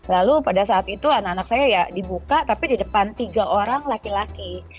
lalu pada saat itu anak anak saya ya dibuka tapi di depan tiga orang laki laki